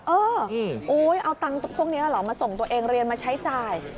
เออเอาตังค์พวกนี้เหรอมาส่งตัวเองเรียนมาใช้จ่าย